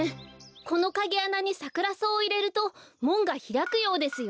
このカギあなにサクラソウをいれるともんがひらくようですよ。